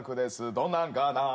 どんなんかなー。